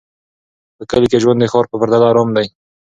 په کلي کې ژوند د ښار په پرتله ارام دی.